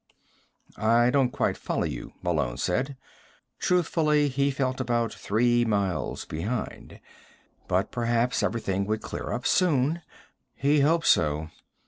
"I don't quite follow you," Malone said. Truthfully, he felt about three miles behind. But perhaps everything would clear up soon. He hoped so.